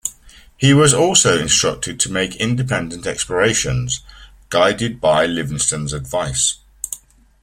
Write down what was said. He was also instructed to make independent explorations, guided by Livingstone's advice.